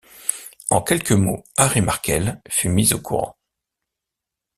En quelques mots, Harry Markel fut mis au courant.